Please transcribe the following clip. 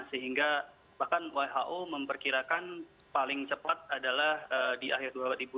sehingga bahkan who memperkirakan paling cepat adalah di akhir dua ribu dua puluh